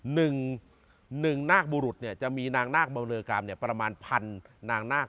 หนึ่งนางบุรุษจะมีนางนาคบำเลอกามประมาณพันนางนาค